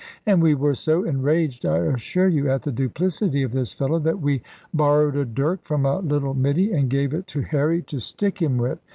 And we were so enraged, I assure you, at the duplicity of this fellow, that we borrowed a dirk from a little middy, and gave it to Harry to stick him with.